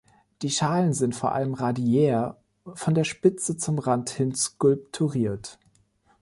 Die Schalen sind vor allem radiär von der Spitze zum Rand hin skulpturiert.